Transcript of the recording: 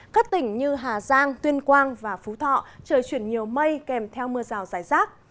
các tỉnh như hà giang tuyên quang và phú thọ trời chuyển nhiều mây kèm theo mưa rào rải rác